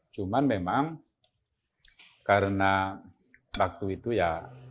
cuman memang karena waktu itu ya